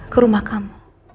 ke rumah kamu